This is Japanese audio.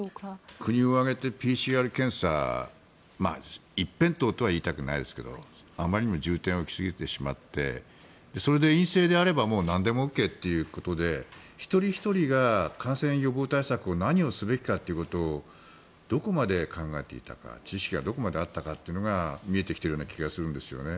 国を挙げてＰＣＲ検査一辺倒とは言いたくないですけどあまりにも重点を置きすぎてしまってそれで陰性であればなんでもＯＫということで一人ひとりが感染予防対策を何をすべきかというところをどこまで考えていたか知識がどこまであったかというのが見えてきているような気がするんですよね。